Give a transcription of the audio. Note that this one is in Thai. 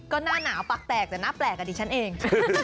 ก็หน้าหนาวปากแตกแต่หน้าแปลกกว่าดิฉันเอง